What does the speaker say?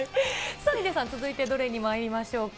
さあ、ヒデさん、続いてどれにまいりましょうか。